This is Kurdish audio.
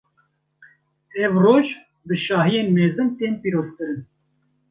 Ev roj, bi şahiyên mezin tên pîrozkirin.